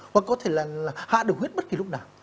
hoặc có thể là hạ đường huyết bất kỳ lúc nào